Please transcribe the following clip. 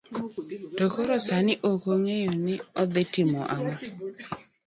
To koro sani, ok ong'eyo ni odhi timo ang'o.